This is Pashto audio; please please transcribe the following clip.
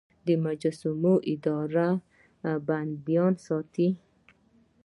د محبسونو اداره بندیان ساتي